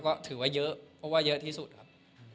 ก็ถือว่าเยอะเพราะว่าเยอะที่สุดครับ